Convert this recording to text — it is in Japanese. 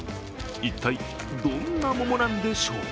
一体、どんな桃なんでしょう。